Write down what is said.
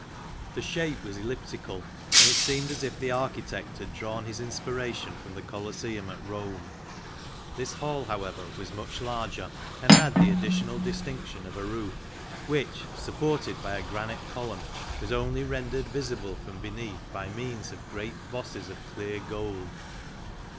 The shape was elliptical, and it seemed as if the architect had drawn his inspiration from the Coliseum at Rome. This Hall, however, was much larger, and had the additional distinction of a roof, which, supported by a granite column, was only rendered visible from beneath by means of great bosses of clear gold.